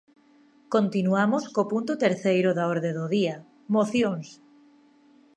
Continuamos co punto terceiro da orde do día, mocións.